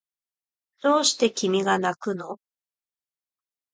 どうして君がなくの